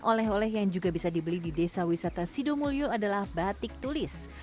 oleh oleh yang juga bisa dibeli di desa wisata sidomulyo adalah batik tulis